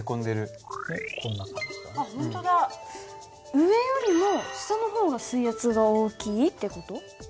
上よりも下の方が水圧が大きいって事？